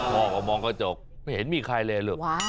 พ่อพอมองเข้าจกไม่เห็นมีใครเลย